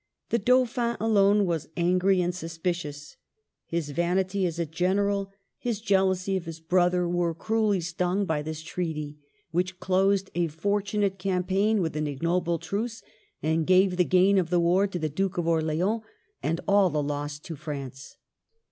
The Dauphin alone was angry and suspi cious. His vanity as a general, his jealousy of DOWNFALL. 257 his brother, were cruelly stung by this treaty, which closed a fortunate campaign with an ignoble truce, and gave the gain of the war to the Duke of Orleans, and all the loss to France.